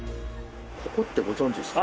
ここってご存じですか？